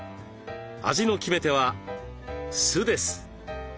味の決め手は酢です。